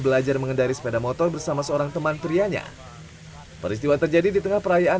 belajar mengendari sepeda motor bersama seorang teman prianya peristiwa terjadi di tengah perayaan